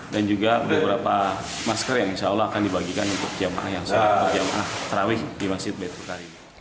juga beberapa masker yang insya allah akan dibagikan untuk jamaah yang sudah berjamaah terawih di masjid baitul qari